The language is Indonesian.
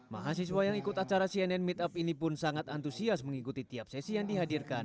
mahasiswa yang ikut acara cnn meet up ini pun sangat antusias mengikuti tiap sesi yang dihadirkan